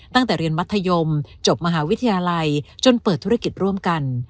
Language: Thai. ตั้งแต่เรียนมัธยมจบมหาวิทยาลัยจนเปิดธุรกิจร่วมกัน